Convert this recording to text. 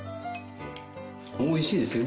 おいしいですよ